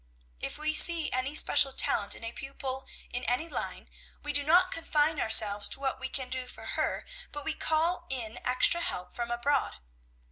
"If we see any special talent in a pupil in any line, we do not confine ourselves to what we can do for her, but we call in extra help from abroad.